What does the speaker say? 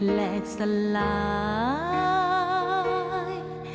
แลกสลาย